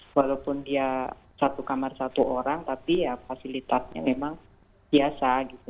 walaupun dia satu kamar satu orang tapi ya fasilitasnya memang biasa gitu